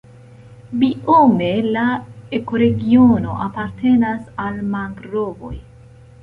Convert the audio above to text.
Biome la ekoregiono apartenas al mangrovoj.